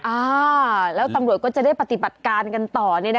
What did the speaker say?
อ่าแล้วตำรวจก็จะได้ปฏิบัติการกันต่อ